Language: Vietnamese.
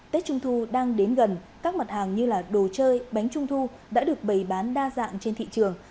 tết trung thu đang đến gần các mặt hàng như đồ chơi bánh trung thu đã được bày bán đa dạng trên thị trường